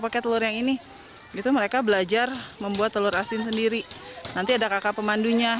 pakai telur yang ini itu mereka belajar membuat telur asin sendiri nanti ada kakak pemandunya